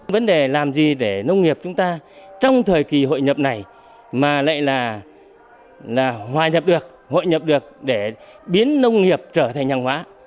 vấn đề làm gì để nông nghiệp chúng ta trong thời kỳ hội nhập này mà lại là hòa nhập được hội nhập được để biến nông nghiệp trở thành hàng hóa